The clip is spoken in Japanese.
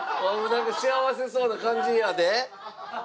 何か幸せそうな感じやで。